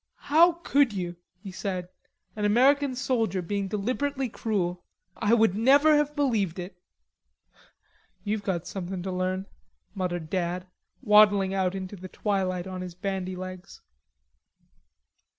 "How could you?" he said. "An American soldier being deliberately cruel. I would never have believed it." "Ye've got somethin' to learn," muttered Dad, waddling out into the twilight on his bandy legs.